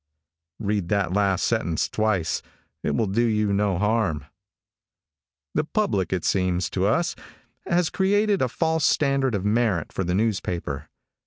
Read that last sentence twice; it will do you no harm. The public, it seems to us, has created a false standard of merit for the newspaper.